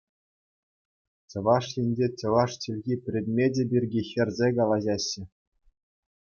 Чӑваш Енре чӑваш чӗлхи предмечӗ пирки хӗрсе калаҫаҫҫӗ.